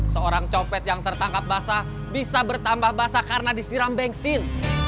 seorang copet yang tertangkap basah bisa bertambah basah karena disiram bensin